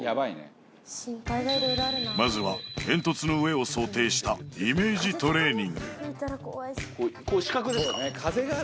まずは煙突の上を想定したイメージトレーニングこう四角ですか？